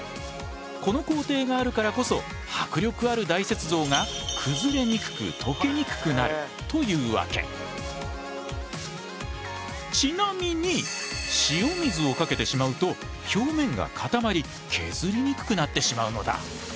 この工程があるからこそ迫力ある大雪像がちなみに塩水をかけてしまうと表面が固まり削りにくくなってしまうのだ。